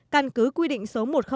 căn cứ quy định số một trăm linh hai